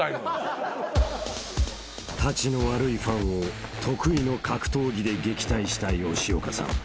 ［たちの悪いファンを得意の格闘技で撃退した吉岡さん］